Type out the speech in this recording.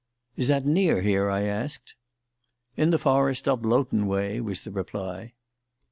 "Is that near here?" I asked. "In the forest up Loughton way," was the reply.